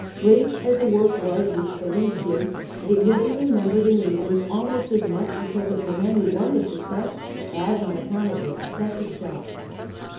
Great as the work was which the League did, it will be remembered in England almost as much because of the men who won the suc cess as on account of the success itself.